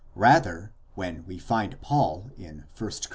Rather, when we find Paul in 1 Cor.